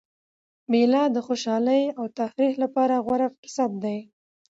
مېله د خوشحالۍ او تفریح له پاره غوره فرصت دئ.